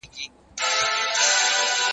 هغه د خپلو هڅو پایله ترلاسه کړه.